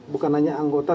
bukan hanya anggota